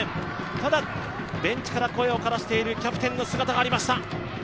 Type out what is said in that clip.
ただ、ベンチから声をからしているキャプテンの姿がありました。